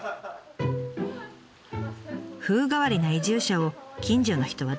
風変わりな移住者を近所の人は大歓迎。